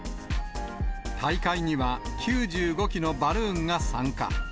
大会には、９５機のバルーンが参加。